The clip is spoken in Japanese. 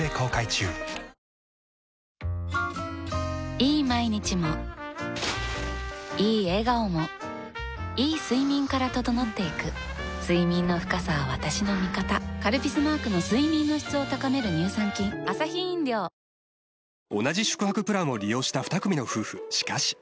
いい毎日もいい笑顔もいい睡眠から整っていく睡眠の深さは私の味方「カルピス」マークの睡眠の質を高める乳酸菌いつものおいしさで内臓脂肪対策。